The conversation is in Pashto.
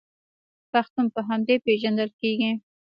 پښتون په همدې پیژندل کیږي.